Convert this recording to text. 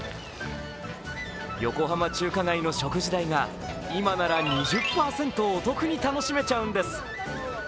横浜中華街の食事代が今なら２０％お得に楽しめちゃうんです。